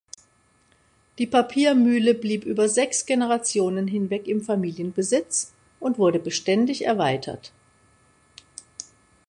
Die Papiermühle blieb über sechs Generationen hinweg im Familienbesitz und wurde beständig erweitert.